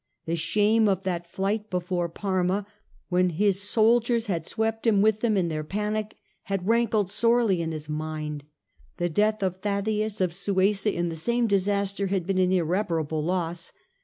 The shame of that flight before Parma, when his soldiers had swept him with them in their panic, had rankled sorely in his mind. The death of Thaddaeus of Suessa in the same disaster had been an irreparable loss.